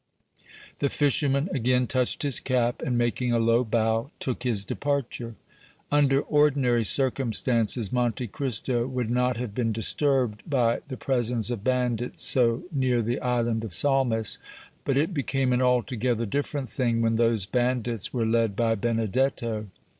The fisherman again touched his cap, and, making a low bow, took his departure. Under ordinary circumstances Monte Cristo would not have been disturbed by the presence of bandits so near the Island of Salmis, but it became an altogether different thing when those bandits were led by Benedetto.